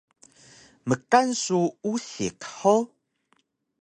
Mkan su usik hug?